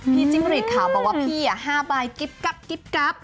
พี่จี๊มริตขอบว่า๕ใบกิบกรับ